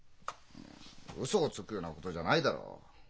ウソをつくようなことじゃないだろう。